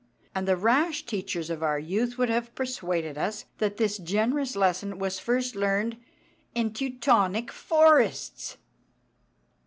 And the rash teachers of our youth would have persuaded us that this generous lesson was first learnt in Teutonic forests!